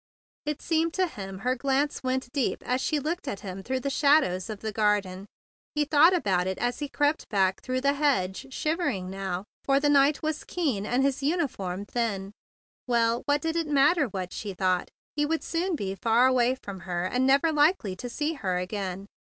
It seemed to him her glance went deep as she looked at him through the shadows of the garden. He thought about it as he crept back through the hedge, shivering now, for the night was keen and his uniform was thin. Well, what did it matter what she thought? He would soon be far away from her and never likely to see her again.